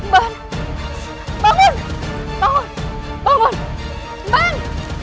bangun bangun bangun bangun